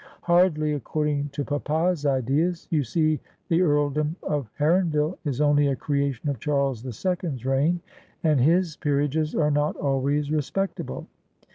' Hardly, according to papa's ideas. You see the Earldom of Heronville is only a creation of Charles the Second's reign, and his peerages are not always respectable.